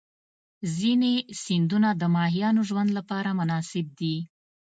ځینې سیندونه د ماهیانو ژوند لپاره مناسب دي.